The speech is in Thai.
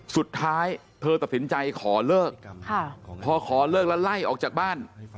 สุดท้ายเธอตัดสินใจขอเลิกพอขอเลิกแล้วไล่ออกจากบ้าน